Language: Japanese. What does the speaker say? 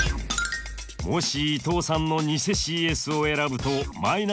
もし伊藤さんの偽ＣＳを選ぶとマイナス１０ポイント！